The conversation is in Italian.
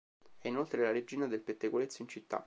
È inoltre la regina del pettegolezzo in città.